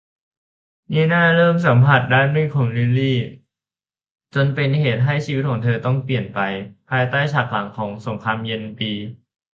นีน่าเริ่มสัมผัสด้านมืดของลิลลี่ จนเป็นเหตุให้ชีวิตของเธอต้องเปลี่ยนไป ภายใต้ฉากหลังของสงครามเย็นปี